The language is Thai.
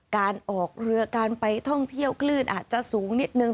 การออกเรือการไปท่องเที่ยวคลื่นอาจจะสูงนิดนึง